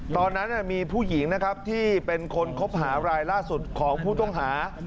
ตอนนั้นมีผู้หญิงนะครับที่เป็นคนคบหารายล่าสุดของผู้ต้องหา